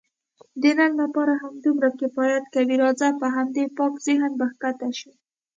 د نن لپاره همدومره کفایت کوي، راځه په همدې پاک ذهن به کښته شو.